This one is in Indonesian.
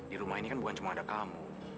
di rumah ini kan bukan cuma ada kamu